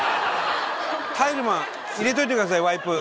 タイルマン入れといてくださいワイプ。